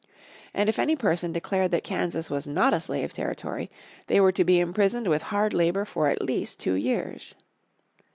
And if any person declared that Kansas was not a slave territory, they were to be imprisoned with hard labour for at least two years.